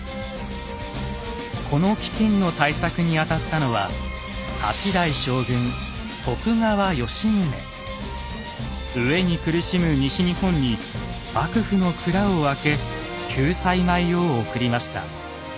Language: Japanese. この飢きんの対策に当たったのは飢えに苦しむ西日本に幕府の蔵を開け救済米を送りました。